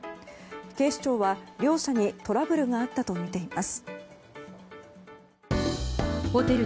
警視庁は両者にトラブルがあったとみています。